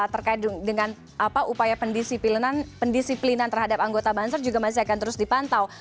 terkait dengan upaya pendisiplinan terhadap anggota banser juga masih akan terus dipantau